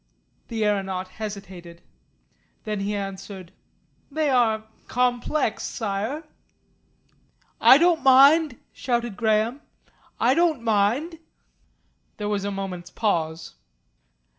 The aeronaut hesitated. Then he answered, "They are complex, Sire." "I don't mind," shouted Graham. "I don't mind." There was a moment's pause.